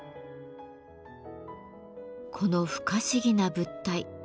この不可思議な物体。